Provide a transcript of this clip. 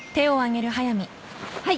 はい。